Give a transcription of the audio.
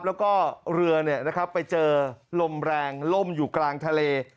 แล้วก็เรือเนี้ยนะครับไปเจอลมแรงล่มอยู่กลางทะเล